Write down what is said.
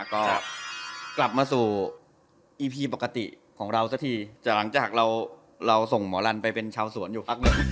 ก็กลับมาสู่อีพีปกติของเราสักทีแต่หลังจากเราเราส่งหมอลันไปเป็นชาวสวนอยู่พักหนึ่ง